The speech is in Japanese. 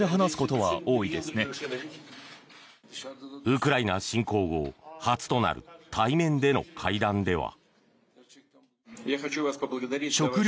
ウクライナ侵攻後初となる対面での会談では。